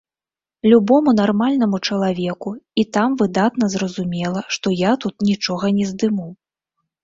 Любому нармальнаму чалавеку і там выдатна зразумела, што я тут нічога не здыму!